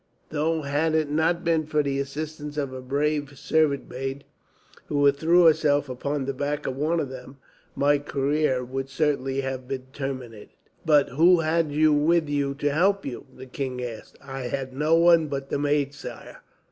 Though had it not been for the assistance of a brave servant maid, who threw herself upon the back of one of them, my career would certainly have been terminated." "But who had you with you to help you?" the king asked. "I had no one but the maid, sire."